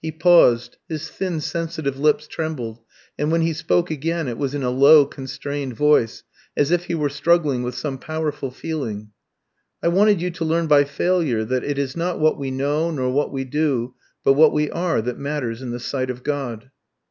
He paused; his thin sensitive lips trembled, and when he spoke again it was in a low constrained voice, as if he were struggling with some powerful feeling. "I wanted you to learn by failure that it is not what we know, nor what we do, but what we are that matters in the sight of God."